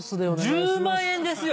１０万円ですよ？